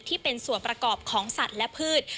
ที่เป็นส่วนประกอบของสัตว์และพืช